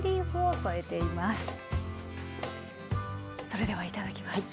それではいただきます。